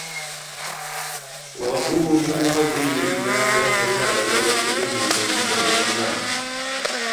Wagow mini Wobeyin daa lahi labi ni bɛ ti lihi bimbirili maa.